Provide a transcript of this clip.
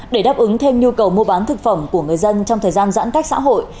để đáp ứng thêm nhu cầu mua bán thực phẩm của người dân trong thời gian giãn cách xã hội